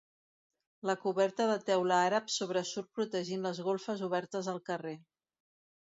La coberta de teula àrab sobresurt protegint les golfes obertes al carrer.